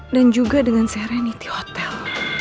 dan juga dengan serenity hotel